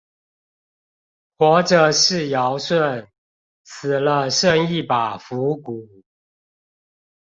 活著是堯舜，死了剩一把腐骨